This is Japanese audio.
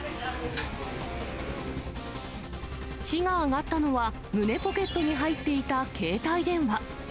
火が上がったのは、胸ポケットに入っていた携帯電話。